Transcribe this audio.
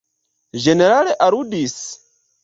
Ĝenerale, aludis?